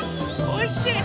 おいしい？